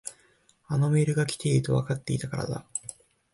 あのメールが来ているとわかっていたからだ。